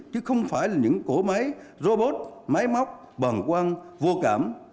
chứ không phải là những cổ máy robot máy móc bằng quang vô cảm